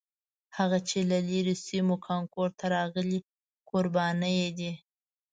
هغه چې له لرې سیمو کانکور ته راغلي کوربانه یې دي.